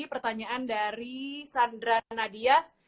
pertanyaan dari sandra nadias